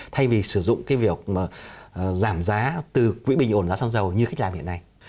thay vì sử dụng cái việc mà giảm giá từ quỹ bình ổn giá xăng dầu như khách làm hiện nay